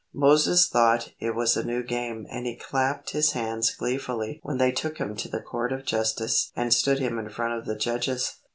Moses thought it was a new game and he clapped his hands gleefully when they took him to the court of justice and stood him in front of the judges.